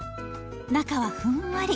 中はふんわり。